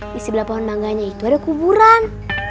di sebelah pohon mangganya itu ada kuburan